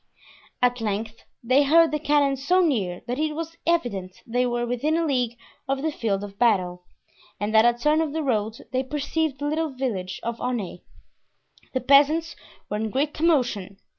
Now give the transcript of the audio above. At length they heard the cannon so near that it was evident they were within a league of the field of battle, and at a turn of the road they perceived the little village of Aunay. The peasants were in great commotion.